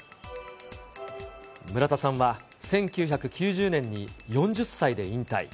村田さんは１９９０年に４０歳で引退。